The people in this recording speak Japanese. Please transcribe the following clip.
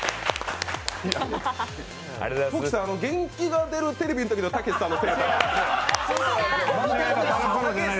トキさん、「元気が出るテレビ！！」のときのたけしさんの？